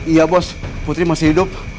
iya bos putri masih hidup